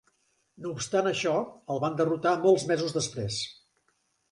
No obstant això, el van derrotar molts mesos després.